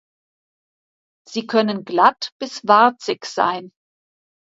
Sie können glatt bis warzig sein.